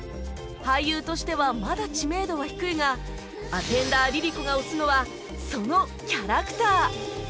俳優としてはまだ知名度は低いがアテンダー ＬｉＬｉＣｏ が推すのはそのキャラクター